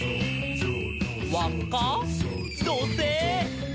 「わっか？どせい！」